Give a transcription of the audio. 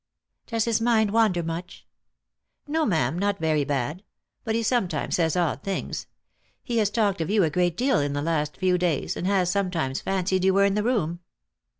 " Does his mind wander much P "" No, ma'am, not very bad ; but he sometimes says odd things. He has talked of you a great deal in the last few days, and has sometimes fancied you were in the room."